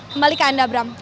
kembali ke anda beram